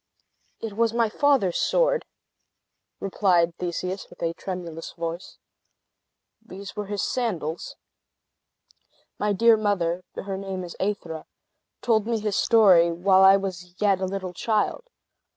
"It was my father's sword," replied Theseus, with a tremulous voice. "These were his sandals. My dear mother (her name is Aethra) told me his story while I was yet a little child.